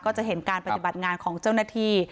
จะเห็นการปฏิบัติงานของเจ้าหน้าที่